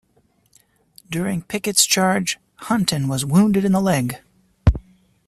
During Pickett's Charge, Hunton was wounded in the leg.